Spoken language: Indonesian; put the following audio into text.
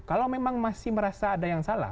kalau memang masih merasa ada yang salah